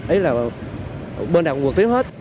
đấy là bên nào cũng nguồn tiếng hết